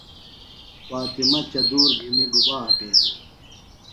فاطمہ چدُور گِھنیۡ گُبا اٹینیۡ؟